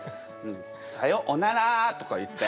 「さよおなら」とか言って。